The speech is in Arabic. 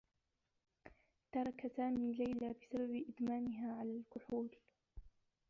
ترك سامي ليلى بسبب إدمانها على الكحول.